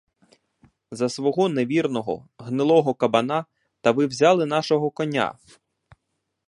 За свого невірного гнилого кабана та ви взяли нашого коня!